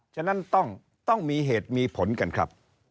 ฉะนั้นต้องมีเหตุมีผลกันครับ